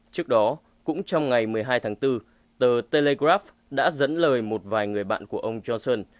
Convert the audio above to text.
trước đó cũng trong ngày một mươi hai tháng bốn tờ telegrap đã dẫn lời một vài người bạn của ông johnson